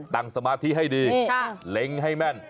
สมาธิให้ดีเล้งให้แม่น